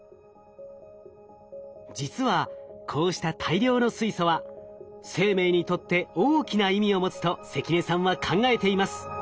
実はこうした大量の水素は生命にとって大きな意味を持つと関根さんは考えています。